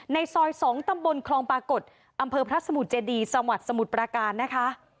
ในซอย๒ตำบลคลองปรากฏอำเภอพระสมุทรเจดีจังหวัดสมุทรประการนะคะ